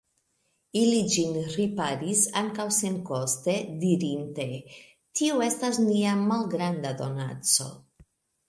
Ili ĝin riparis ankaŭ senkoste, dirinte: Tio estas nia malgranda donaco.